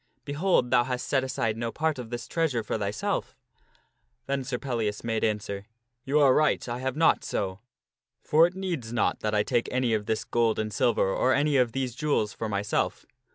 Behold, thou hast set aside no part of this treasure for thyself." Then Sir Pellias made answer :" You are right, I have not so. For it needs not that I take any of this gold and silver, or any of these jewels, for myself.